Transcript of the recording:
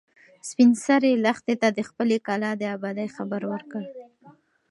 سپین سرې لښتې ته د خپلې کلا د ابادۍ خبر ورکړ.